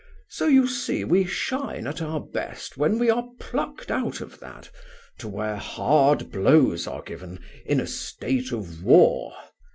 So, you see, we shine at our best when we are plucked out of that, to where hard blows are given, in a state of war.